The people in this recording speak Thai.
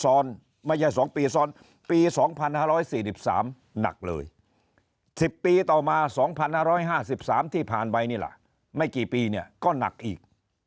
ไม่ใช่๒ปีซ้อนปี๒๕๔๓หนักเลย๑๐ปีต่อมา๒๕๕๓ที่ผ่านไปนี่ล่ะไม่กี่ปีเนี่ยก็หนักอีก